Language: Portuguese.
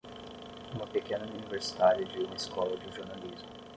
Uma pequena universitária de uma escola de jornalismo!